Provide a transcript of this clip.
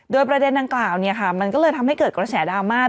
โดยประเด็นดังกล่าวมันก็เลยทำให้เกิดกระแสดราม่า